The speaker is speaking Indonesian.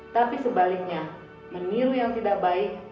tapi sebaliknya meniru yang tidak baik